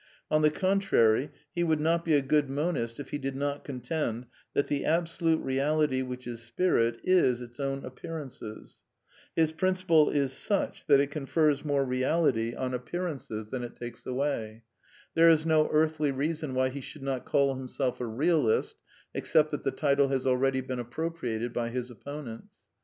On the contrary, he / would not be a good monist if he did not contend that the / absolute Eeality which is Spirit is its own appearances. \ His principle is such that it confers more reality on ap 306 A DEFENCE OF IDEALISM \ pearances than it takes away. There is no earthly reason why he should not call himself a Bealist, except that the title has already been appropriated by his opponents.